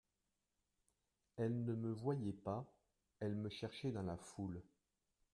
Elle ne me voyait pas, elle me cherchait dans la foule.